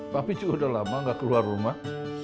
papih cukup udah lama nggak keluar rumah